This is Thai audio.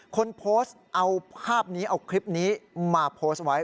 คนโพสต์เอาภาพนี้เอาคลิปนี้มาโพสต์ไว้